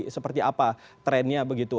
seperti apa trennya begitu